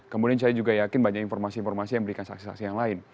kemudian saya juga yakin banyak informasi informasi yang diberikan saksi saksi yang lain